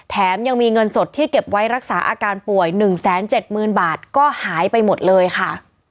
แถมยังมีเงินสดที่เก็บไว้รักษาอาการป่วย๑๗๐๐๐บาทก็หายไปหมดเลยค่ะ